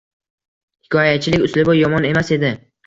Hikoyachilik uslubi yomon emas edi.